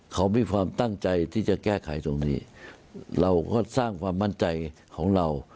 เขามีความตั้งใจที่จะแก้ไขตรงนี้เราก็สร้างความมั่นใจของเรา